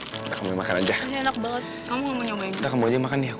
yaudah sekarang lo tidur aja nginyak ya ref ya